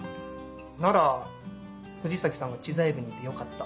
なら藤崎さんが知財部にいてよかった。